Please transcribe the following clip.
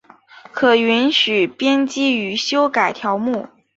可允许编辑与修改条目。